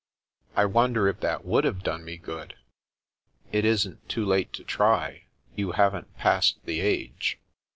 " I wonder if that would have done me good ?"" It isn't too late to try. You haven't passed the age."